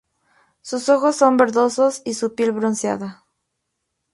Sus ojos son verdosos y su piel bronceada.